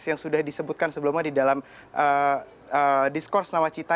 yang sudah disebutkan sebelumnya di dalam diskurs nawacita